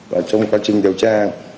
và trong quá trình điều tra